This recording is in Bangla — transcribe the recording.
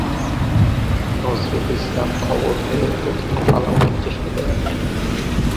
নজরুল ইসলাম খবর পেয়ে প্রথমে পালানোর চেষ্টা করেন।